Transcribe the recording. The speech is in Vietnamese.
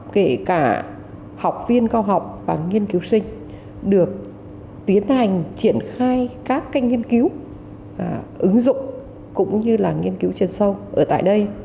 kể cả học viên cao học và nghiên cứu sinh được tiến hành triển khai các kênh nghiên cứu ứng dụng cũng như là nghiên cứu chuyên sâu ở tại đây